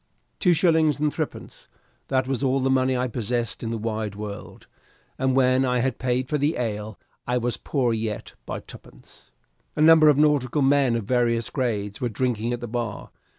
Two shillings, and threepence that was all the money I possessed in the wide world, and when I had paid for the ale, I was poorer yet by twopence. A number of nautical men of various grades were drinking at the bar.